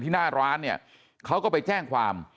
ที่หน้าร้านนี้เขาก็ไปแจ้งความ